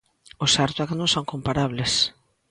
O certo é que non son comparables.